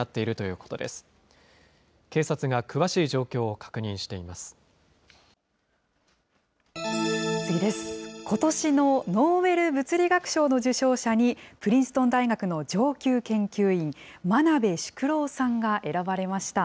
ことしのノーベル物理学賞の受賞者に、プリンストン大学の上級研究員、真鍋淑郎さんが選ばれました。